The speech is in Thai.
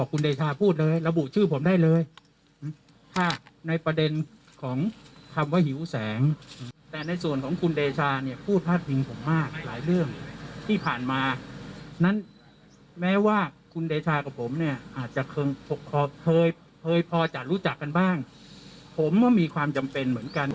คุณเดชากับผมเนี่ยอาจจะเคยเผยเผยพอจากรู้จักกันบ้างผมว่ามีความจำเป็นเหมือนกัน